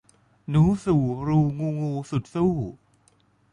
หนูสู่รูงูงู สุดสู้